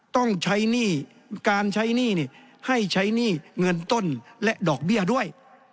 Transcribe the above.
ต้องใช้หนี้การใช้หนี้ให้ใช้หนี้เงินต้นและดอกเบี้ยด้วย